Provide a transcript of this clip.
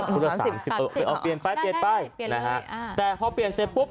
ละสามสิบเออเอาเปลี่ยนไปเปลี่ยนไปนะฮะแต่พอเปลี่ยนเสร็จปุ๊บ